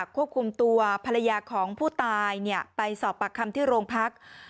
ควบคุมตัวภรรยาของผู้ตายไปสอบปากคำที่โรงพัก